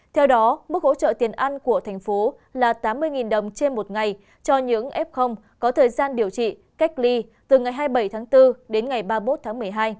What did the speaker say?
theo đó mức hỗ trợ tiền ăn của thành phố là tám mươi đồng trên một ngày cho những f có thời gian điều trị cách ly từ ngày hai mươi bảy tháng bốn đến ngày ba mươi một tháng một mươi hai